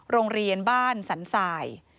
โรงเรียนบ้านสันสาย